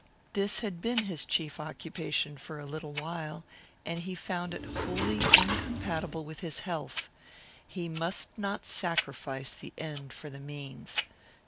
This had been his chief occupation for a little while, and he found it wholly incompatible with his health. He must not sacrifice the end for the means.